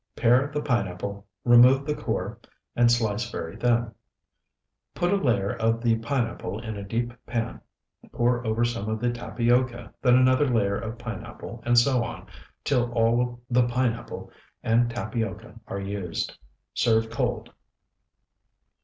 Pare the pineapple, remove the core, and slice very thin. Put a layer of the pineapple in a deep pan; pour over some of the tapioca, then another layer of pineapple, and so on till all the pineapple and tapioca are used. Serve cold.